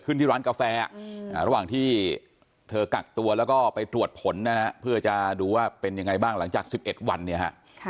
ก็คือกักตัวจำหมอบอกแล้วกลับมาใช้ชีวิตปกติได้เลย